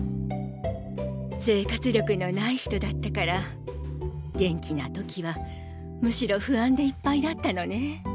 生活力のない人だったから元気な時はむしろ不安でいっぱいだったのね。